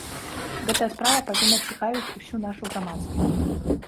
Гэтая справа павінна цікавіць усю нашу грамадскасць.